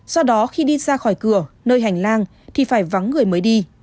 do đó khi đi ra khỏi cửa nơi hành lang thì phải vắng người mới đi